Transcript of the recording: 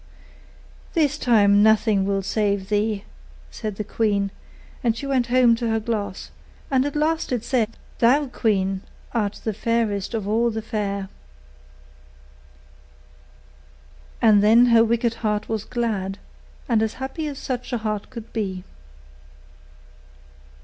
'This time nothing will save thee,' said the queen; and she went home to her glass, and at last it said: 'Thou, queen, art the fairest of all the fair.' And then her wicked heart was glad, and as happy as such a heart could be.